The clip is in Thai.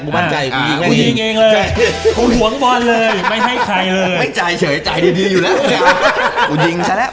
กูยิงซะแล้วไปเก่งซะแล้ว